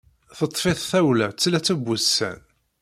Teṭṭef-it tawla tlata n wussan.